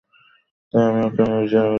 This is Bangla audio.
তাই আমি ওকে মিউজিকের অজুহাতে ব্যবহার করেছি।